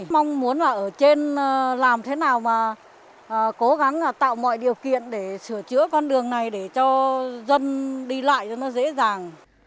mong muốn là ở trên làm thế nào mà cố gắng tạo mọi điều kiện để sửa chữa con đường này để cho dân đi lại cho nó dễ dàng